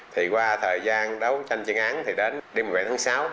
thì qua thời gian đấu tranh chuyên án thì đến đêm một mươi bảy tháng sáu